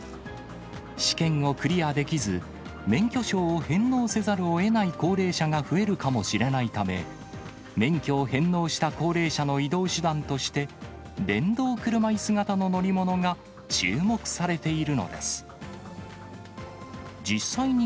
試験をクリアできず、免許証を返納せざるをえない高齢者が増えるかもしれないため、免許を返納した高齢者の移動手段として、電動車いす型の乗り物が、注目されているのです。